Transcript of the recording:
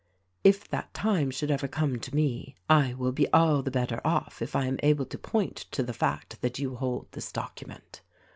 "If that time should ever come to me, I will be all the better off if I am able to point to the fact that you hold this document.